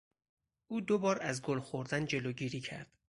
او دوبار از گل خوردن جلوگیری کرد.